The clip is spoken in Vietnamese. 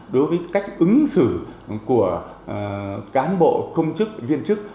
đối với cách ứng xử của cán bộ công chức viên chức